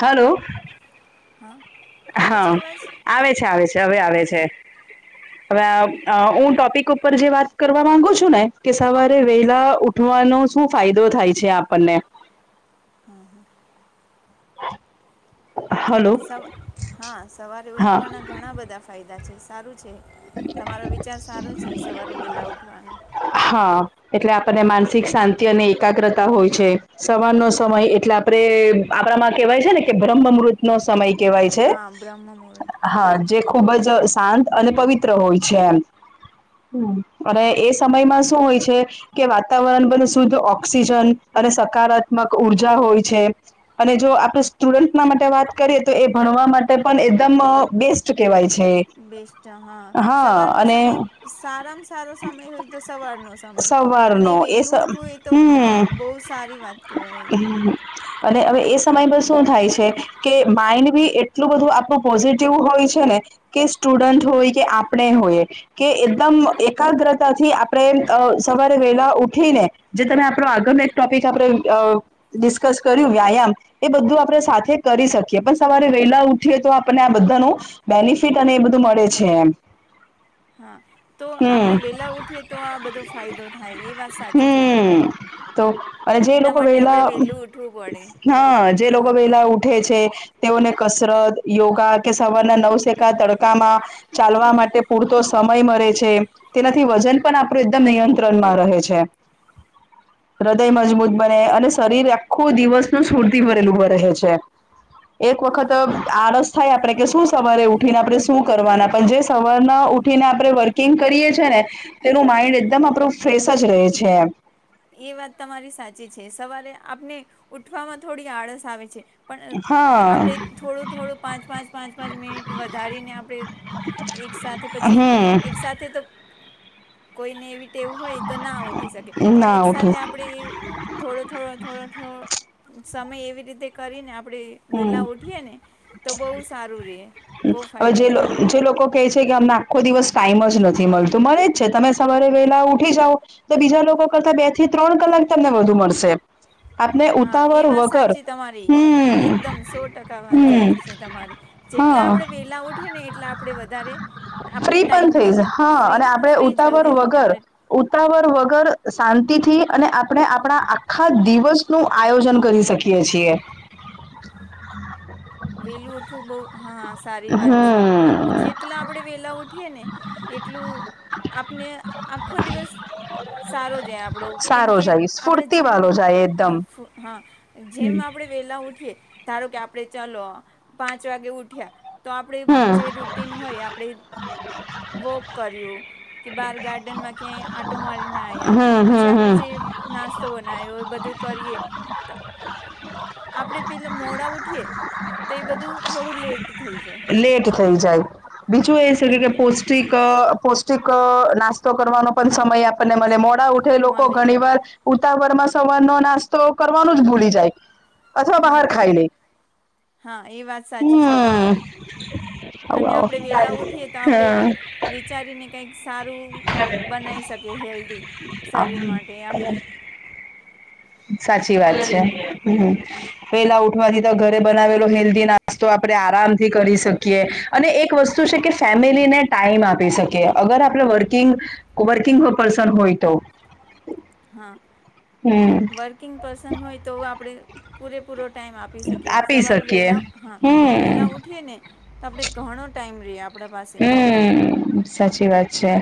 Hello. હા આવે છે હા. અવાજ આવે છે આવે છે. હવે આવે છે. હવે, હું ટોપિક ઉપર જે વાત કરવા માંગુ છું ને. કે સવારે વેહલા ઉઠવાનો શું ફાયદો થાય છે આપણને? હા હા. હલો. સવા હા, સવારે હા ઉઠવાના ઘણા બધા ફાયદા છે. સારું છે. તમારો વિચાર સારો છે. સવારે વેહલા ઉઠવાનો. હા. એટલે આપણને માનસિક શાંતિ અને એકાગ્રતા હોય છે. સવારનો સમય એટલે આપડે આપણામાં કહેવાય છે ને, કે બ્રહ્મમૃતનો સમય કેહેવાય છે. હા બ્રહ્મ મુહૂર્ત હા જે ખુબ જ શાંત અને પવિત્ર હોય છે. એમ અને એ સમયમાં શું હોય છે? કે વાતાવરણ બધુ શુદ્ધ ઓક્સિજન અને સકારાત્મક ઉર્જા હોય છે. અને જો આપણે સ્ટુડન્ટના માટે વાત કરીએ તો એ ભણવા માટે પણ એકદમ બેસ્ટ કેવાય છે. બેસ્ટ હા, સવારનો અને સમય સારામાં સારો સમય હોય તો સવારનો સમય અને સવારનો એ સ વેહેલું ઉઠવું એ તો હા, હમ બહુ સારી વાત કહેવાયએ. હમ. અને હવે એ સમય પર શું થાય છે કે માઇન્ડ બી એટલું બધું આપણું પોઝિટિવ હોય છે ને કે સ્ટુડન્ટ હોય કે આપણે હોય કે એકદમ એકાગ્ર તા થી આપણે અ સવારે વેલા ઉઠીને જે તમે આપો આગળનો એક ટોપિક આપણે ડિસ્કસ કર્યું, વ્યાયામ. એ બધું આપણે સાથે કરી શકીએ પણ સવારે વેલા ઉઠીએ તો આપણે આ બધાનું બેનિફિટ અને એ બધું મળે છે એમ. હા, તો આપણે હમ વેહલા ઉઠીએ તો આ બધો ફાયદો થાય એ વાત સાચી છે હમ તમારી. તો અને જે એના લોકો માટે આપણે વેલા વહેલું ઉઠવું પડે હા, જે લોકો હા વેલા ઉઠે છે. તેઓને કસરત યોગા કે સવારના નવસેેકા તડકામાં ચાલવા માટે પૂરતો સમય મળે છે. તેનાથી વજન પણ આપણું એકદમ નિયંત્રણમાં રહે છે. હૃદય મજબૂત બને અને શરીર આખું દિવસનું સ્ફૂર્તિ ભરેલુ ઉભો રહે છે. એક વખત આળસ થાય આપણે, કે શું સવારે ઉઠીને, આપણે શું કરવાના પણ જે સવારના ઉ ઠીને આપણે વર્કિંગ કરીએ છીએ ને તેનું માઇન્ડ એકદમ આપણું ફ્રેશ જ રહે છે. એ વાત તમારી સાચી છે. સવારે આપને ઉઠવામાં થોડી આળસ આવે છે. પણ હા આપણે થોડું થોડું, પાંચ પાંચ પાંચ પાંચ મિનિટ વધારીને આપણે એક સાથે પછી, એક હમ સાથે તો કોઈને એવી ટેવ હોય તો ના ઉઠી શકે. પણ ના એક ઉઠી સાથે આપણે થોડો થોડો થોડો થોડો થો સમય એવી રીતે કરીને આપણે હમ વેહલાં ઉઠીએ ને તો બહુ સારું રહે. બહુ હવે ફાયદો જે જે લોકો કેહે છે કે અમને આખો દિવસ ટાઈમ જ નથી મળતો. મળે જ છે તમે સવારે વેલા ઉઠી જાઓ. તો બીજા લોકો કરતા બે થી ત્રણ કલાક તમને વધુ મળશે. આપને હા એ ઉતાવર વાત વગર. સાચી તમારી હ. એકદમ સો ટકા વાત સાચી છે તમારી જેટલા હા આપણે વેલા ઉઠીએ ને એટલા આપડે વધારે. આપને ફ્રી પણ ટાઈમ થઈ જ મળે હા ફ્રી અને આપડે ફ્રી ઉતાવળ જલ્દી થઈ જાય વગર. આપણે ઉતાવળ વગર શાંતિથી અને આપણે આપણા આખા દિવસ નું આયોજન કરી શકીએ છીએ. [inaudible] વેલું ઓઠું બહુ હા સારી વાત છે હમ જેટલા આપણે વેલા ઉઠીએ ને એટલું આપને આખો દિવસ સારો જાય આપડો કેમ સારો કે જાય આપડે સ્ફૂર્તિ જેમ વાળો જાય એકદમ હ હા જેમ આપડે વેલા ઉઠીએ ધારો કે આપડે ચાલો પાંચ વાગે ઉઠ્યા તો આપણે હમ જે રૂટીન હોય આપણે [inaudible] વોક કર્યું કે બહાર ગાર્ડનમાં ક્યાંય આંટો મારીને આવ્યા હમ પછી હમ આપણે હમ જે નાસ્તો બનાવ્યોય બધું કરીએ તે આ [inaudible] તો એ બધું થોડું લેટ થઈ જાય લેટ થઈ જાય બીજું એ શ અને કે પોસ પોસ્ટિક અ પૌષ્ટિક અ નાસ્તો કરવાનો પણ સમય આપણને મળે મોડા ઉ લોકો મળે ઘણી વાર ઉતાવર માં સવાર નો નાસ તો કરવાનું જ ભૂલી જાય અથવા હા બહાર ખાઈ લે. હા એ વાત સાચી છે તમારી હમ આવો અને આવો આપણે વેલા ઉઠીએ તો આપડે હા વિચારીને કંઈક સારું બનાવી શકે હેલ્ધી શરીર માટે આપણા. સાચી વાત છે હમ્મ. પેલા ઉઠવાથી તો ઘરે બનાવેલો હેલ્ધી નાસ્તો આપડણે આરામથી કરી શકીએ. અને એક વસ્તુ છે કે ફેમિલીને ટાઈમ આપી શકીએ અગર આપણે વર્કિંગ વર્કિંગ પર્સન હોય તો. હા હમ વર્કિંગ પર્સન હોય તો આપણે પૂરેપૂરો ટાઈમ આપી આપી શકીએ સવારે શકીએ. વેલા હા વેલા હમ ઉઠીએ ને. તો આપણે ઘણો ટાઈમ રહીએ આપણા પાસે. હમ સાચી વાત છે.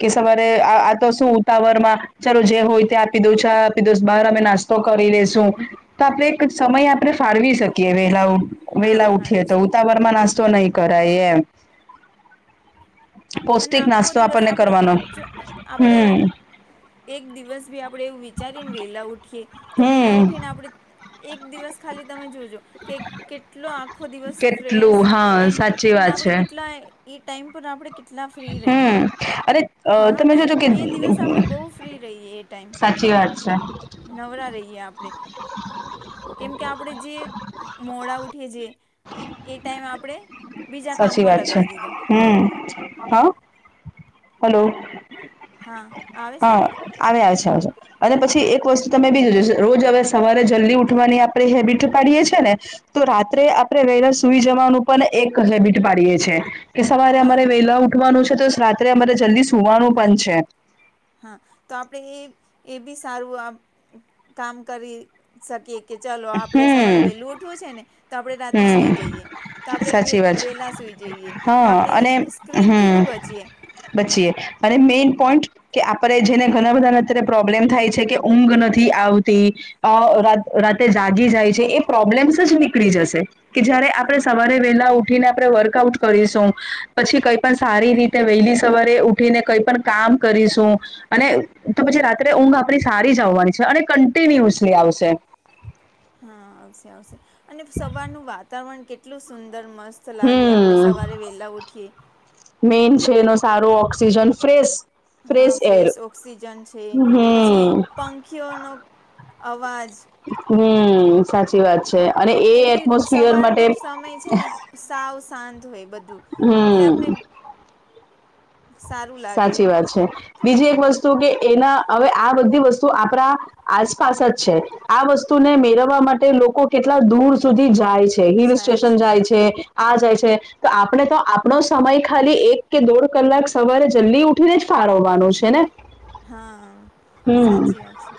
કે સવારે આ તો શું ઉતાવર માં ચાલો જે હોય તે આપી દઉં છે ચા આપી દઉ બહાર અમે નાસ્તો તો કરી લેશું તો આપણે એક સમય આપણે ફાળવી શકીએ વેલા હા વેલા ઉઠીએ ફાળવી તો શકીએ ઉતાવર માં નાસ્તો નહી કરાય એમ. અને પૌષ્ટિક આખો નાસ્તો દિવસ આપણને આપણે કરવાનો જો આપણેે હમ એક દિવસ ભી આપણેે એવું વિચારીએ ને વેલા ઉઠીએ તો વેલા હમ ઉઠીને આપણે એક દિવસ ખાલી તમે જોજો કે કેટલો આખો દિવસ ફ્રેશ કેટલું હા સાચી એન્ડ વાત આપડે છે. કેટ ના એ ટાઈમ પર આપડે કેટલા ફ્રી રહીએ હમ્મ અરે ઘણો તમે ટાઈમ જોજો કે એ દિવસ આપણે બહુ ફ્રી રહીએ એ ટાઈમ સાચી વાત છે. નવરા રહીએ આપણે કેમકે આપણે જે મોડા ઉઠીએ છીએ એ ટાઈમ આપણે બીજા સાચી કામમાં વાત છે લગાવી દીધો હમ્મ હા હલો. હા આવે છે હા અવાજ. આવે આવે છે અવાજો અને પછી એક વસ્તુ તમે બીજું જો રોજ હવે સવારે જલ્દી ઉઠવાની આપણે હેબિટ પાડીએ છીએ ને તો રાત્રે આપણે વેલા સુઈ જવાનું પણ એક હેબિટ પાડીએે છે. કે સવારે હા અમારે વેલા ઉઠવાનું છે તો રાત્રે અમારે જલ્દી સુવાનું પણ છે. હા તો આપણે એ એ બી સારું આ કામ કરી શકીએ. કે ચાલો આપણેે સવાર હમ વેહલું ઉઠવું છે ને તો આપણેે રાતે સુઈ હમ જઈએ. તો આપણે વે સાચી વાત છે વેલા સુઈ જઈએ તો હા આપણે અને સ્ક્રીનથી હમ બી બચીએ. બચીએ અને મેઈન પોઈન્ટ કે આપડે જેને ઘણા બધાને અત્યારે પ્રોબ્લેમ થાય છે કે ઊંઘ નથી આવતી અ રાતે જાગી જાય છે એ પ્રોબ્લેમ્સ જ નીકળી જશે કે જયારે આપણે હા સવારે વેલા ઉઠીને આપણે વર્કઆઉટ કરીશું પછી કઈ પણ સારી રીતે વહેલી સવારે ઉઠીને કઈ પણ કામ કરીશું અને તો પછી રાત્રે ઊંઘ આપણી સારી જ આવવાની છે અને કન્ટિન્યુઅસલી આવશે. હા આવશે આવશે અને સવારનું વાતાવરણ કેટલું સુંદર મસ્ત સ લાગે આપણે સવારે વહેલાં ઉઠીએ. મેઇન છે એનો સારો ઓક્સિજન ફ્રેશ હા ફ્રેશ ઓક્સિજન છે પછી હમ પંખીઓનો અવાજ હમ સાચી વાત છે. છે અને એ કેમ કે એટમોસ્ફિયર સવારનો માટે સમય છે ને સાવ શાંત હોય બધું કે હમ્મ. સારું લાગે. સાચી એમ વાત છે બીજી એક વસ્તુ કે એના હવે આ બધી વસ્તુ આપણા આસપાસ જ છે આ વસ્તુને મેળવવા માટે લોકો કેટલા દૂર સુધી જાય છે હિલ સ્ટેશન જાય છે. આ જાય છે તો આપણે તો આપણો સમય ખાલી એક કે દોઢ કલાક સવારે જલ્દી ઉઠીને જ ફાર હોવાનું છે ને. હા હમ સાચી વાત છે.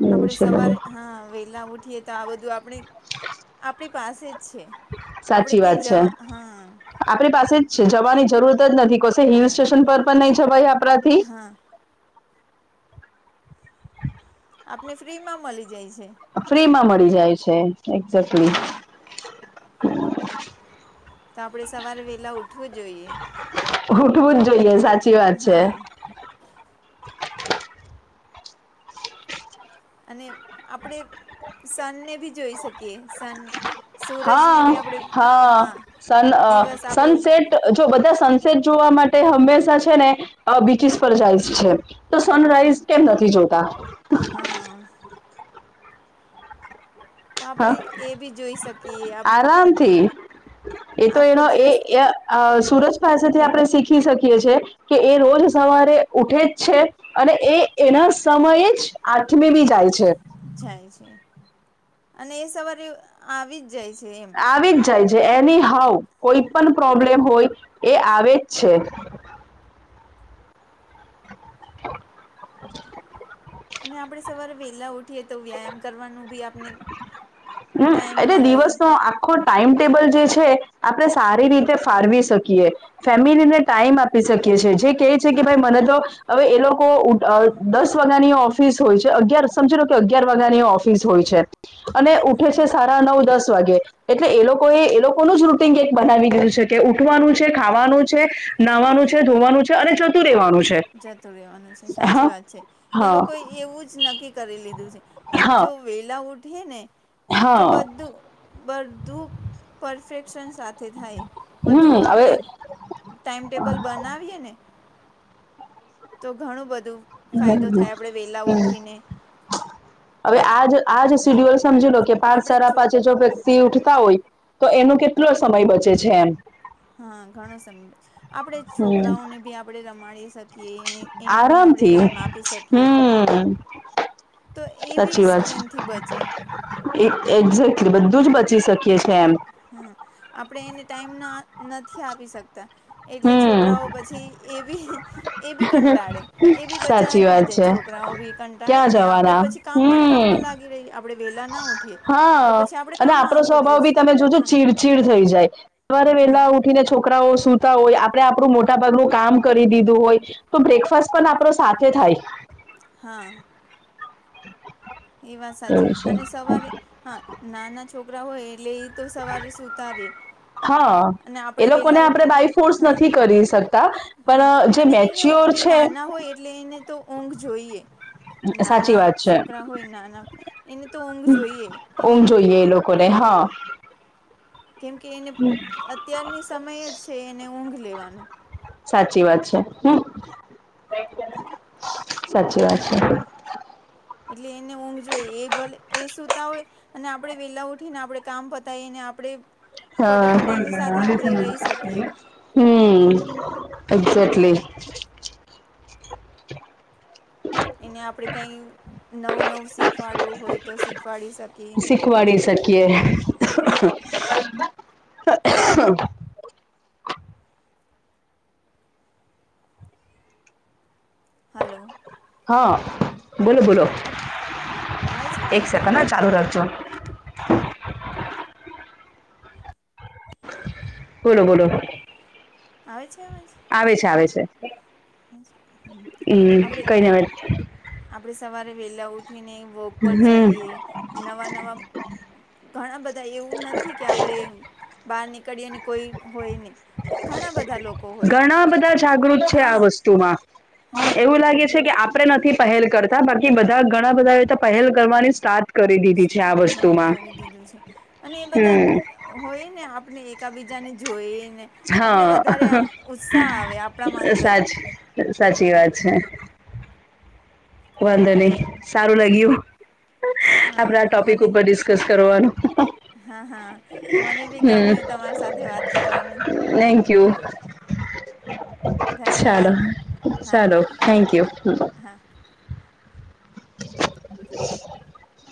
એવું આપણે છે બધું સવારે હા વેલા ઉઠીએ તો આ બધું આપણે આપણી પાસે જ છે. આપડે સાચી ક્યાંય વાત છે જવા હા. આપણી પાસે જ જવાની જરૂરત જ નથી કોસે હિલ સ્ટેશન નથી પર પણ નહી જવાય આપણાથી હા. [unintelligible] આપને ફ્રીમાં મળી જાય છે. ફ્રી માં મળી જાય છે. એક્ઝેક્ટલી. હા. તો આપડે સવારે વેલા ઉઠવું જોઈએ. ઉઠવું જ જોઈએ સાચી વાત છે. હા અને આપણે સનને ભી જોઈ શકીએ સન સૂરજને હા બી આપણે હા સન દિવસ આપણો સનસેટ જો બધા સનસેટ જોવા માટે હંમેશા છે ને બીચસ પર જાય છે. તો સનરાઈઝ કેમ નથી જોતા. હા. તો હા આપણે એ બી જોઈ શકીએ આપણે આરામથી એતો આખો એનો એ. દિવસ અ સુરજ પાસેથી આપણે શીખી શકીએ છેએ કે એ રોજ સવારે ઉઠે જ છે. અને એ એના સમયે જ આઠમી બી જાય છે. જાય છે અને એ સવારે આવી જ જાય છે એમ. આવી જ જાય છે એની હઉ કોઈ પણ પ્રોબ્લેમ હોય એ આવે જ છે. [unintelligible] અને આપણે સવારે. વેલા ઉઠીએ તો વ્યાયામ કરવાનું ભી આપને હમ ટાઈમ એટલે મળે. દિવસનો આખો ટાઈમ ટેબલ જે છે, આપણેે સારી રીતે ફાળવી શકીએ. ફેમિલીને ટાઈમ આપી શકીએ છીએ, જે કેય છે કે, ભાઈ મને તો અવે એ લોકો ઉટ અ દસ વાગાની ઓફિસ હોય છે, અગિયાર સમજી લો. તો અગિયાર વાગાની ઓફિસ હોય છે, અને ઉઠે છે સાડાનવ દસ તવાગે એટલે એ લોકોએ એ લોકોનું જ રૂટીન કેક બનાવી દીધું છે કે, ઉઠવાનું છે, ખાવાનું છે, નાવાનું છે, ધોવાનું છે, અને જતું રહેેવાનું છે. જતું રહેવાનું છે, સાચી હા વાત છે, એ હા લોકોએ એવું જ નક્કી કરી લીધું છે, પણ હા જો વેલા ઉઠે ને તો હા બધુ બધુ પરફેક્શન સાથે થે થાય બધું હમ હવે આપણે ટાઈમ ટેબલ બનાવીએ ને તો ઘણું બધું ફાયદો થાય, આપણે વેલા ઉઠીને. અવે આજ-આજ શીડ્યુલ સમજી લો કે પાંચ આપણે સાડા છો પાચે જો પસ થી ઉઠતા હોય તો એનો કેટલો સમય બચે છે એમ. હા, ઘણો સમય, આપણેે હમ છોકરાઓને ભી આપણે રમાડી સકે કીએ ને એને ભી આપણે આરામથી ટાઈમ આપી શકીએ. હમ તો એભી સ્ક્રીનથી બચે એક એક્ઝેક્ટલી બધું જ બચી શકીએ છીએ એમ. હમ, આપણે એને ટાઈમ ના નથી આપી શકતા. એટલે હમ છોકરાઓ પછી, એબી-એબી કંટાળે એબી બચારા સાચી ક્યાં વાત જાય છે છોકરાઓ બી. કંટાળે ક્યાં ને આપડે જવાના પછી, કામમાં ને હમ કામમાં લાગે રહી આપણેે વેહલા ના ઉઠીએ તો હા પછી આપડે અને કામમાં આપણો આખો સ્વભાવ દિવસ બી તમે જોજો હા ચીડચીડ થઈ જાય સવારે હા વેલા આવુ ઉઠીને, છોકરાઓ સુતા હોય, આપણે આપણું મોટા ભાગનું કામ કરી દીધું હોય. તો બ્રેકફાસ્ટ પણ આપણો સાથે થાય. હા, [inaudible] એ વાત સાચી, એવું છે. અને સવારે, હા, નાના છોકરા હોય એટલે તો સવારે સુતા રે હા અને એ આપણેે લોકોને વેલા આપણે ઉઠીને, બાય ફોર્સ હા, નથી કરી શકતા હા, પણ જે અને એન નુ મેચ્યોર એ છે નાના હોય એટલે એને તો ઊંઘ જોઈએ. સાચી નાના વાત છે. છોકરા હોય નાના એને તો ઊંઘ જોઈએ એને ઉધ જોઈએ એ લોકોને, હ, કેમ કે એને અત્યારની સમય જ છે, એને ઊંઘ લેવાનું સાચી વાત છે, હમ, સાચી વાત છે. એટલે એને ઊંઘ જોઈએ, એ ભલે એ સુતા હોય. અને આપણે વેલા ઉઠીને આપણે કામ પતાઈને આપણે હા, ફટાફટ એની સાથે આપણે રહી શકીએ હમ, એક્ઝેક્ટલી એને આપડે કાઈ નવુ નવું શીખવાડવું હોય, તો શીખવાડી શક શીખવાડી શકીએ, અહ અહ હ અહ હલો! હા બોલો બોલો આવે છે એક અવાજ સેકન્ડ હા ચાલુ રાખજો બોલો, બોલો, આવે છે અવાજ? આવે છે, આવે છે, હમ, આપણે કઈની અવે આપણે સવારે વેલા ઉઠીને વોક પર હમ જઈએ, નવા નવા ઘણા બધા એવું નથી કે આપણે બાર નીકળીએ ને કોઈ હોય નહીં. ઘણા બધા લોક ઘણા બધા જાગૃત છે આ વસ્તુમાં, હા એવું લાગે છે કે આપ આપણે નથી પહેલ કરતા, બાકી બધા ઘણા બધા એ તો પહેલ કરવાની સ્ટાર્ટ કરી દીધી છે સ્ટા, આ હા, વસ્તુમાં કરી દીધું છે અને એ બધા હમ હોય ને આપણે એકાબીજાને જોઈ ને આપને હા વધારે આમ ઉત્સાહ આવે આપણામાં અંદર સાચ સાચી વાત છે. વાંધો નહી સારું લાગ્યું હા આપણા ટોપિક મને ઉપર ડિસ્કસ કરવાનું હા હા મને બી ગમ્યો તમારી સાથે વાત કરવાનું થેન્ક્યુ ચાલો ધન્યવાદ હા ચાલો થેન્ક યુ હા [inaudible]